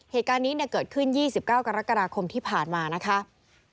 เหตุการณ์นี้เกิดขึ้น๒๙กรกฎาคมที่ผ่านมานะครับ